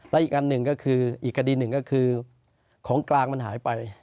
และอีกกดีหนึ่งก็คือของกลางมันหายไป